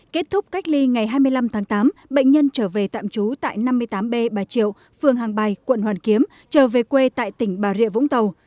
kết thúc cách ly ngày hai mươi năm tháng tám bệnh nhân trở về tạm trú tại năm mươi tám b bà triệu phường hàng bài quận hoàn kiếm trở về quê tại tỉnh bà rịa vũng tàu